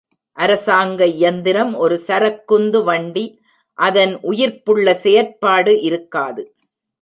அரசாங்க இயந்திரம் ஒரு சரக்குந்து வண்டி, அதன் உயிர்ப்புள்ள செயற்பாடு இருக்காது.